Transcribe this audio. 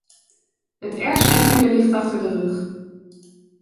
Het ergste is nu wellicht achter de rug.